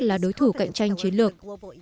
là đối thủ cạnh tranh chiến lược